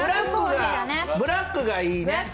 ブラックがいいね。